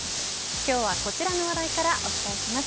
今日はこちらの話題からお伝えします。